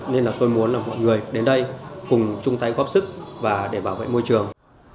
nên là tôi muốn là mọi người đến đây cùng chung tay góp sức và để bảo vệ môi trường